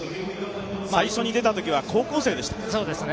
最初に出たときは高校生でした。